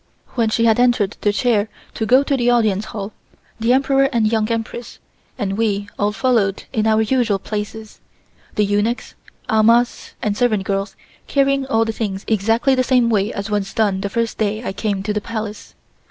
When she had entered the chair to go to the Audience Hall, the Emperor and Young Empress and we all followed in our usual places, the eunuchs, amahs and servant girls carrying all the things exactly the same as was done the first day I came to the Palace.